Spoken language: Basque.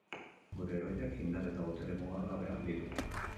Gure heroiak indar eta botere mugagabeak ditu.